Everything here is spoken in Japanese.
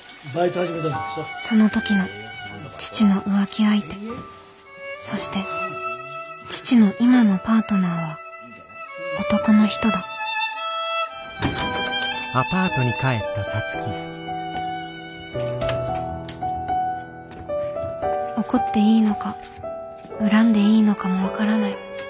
その時の父の浮気相手そして父の今のパートナーは男の人だ怒っていいのか恨んでいいのかも分からない。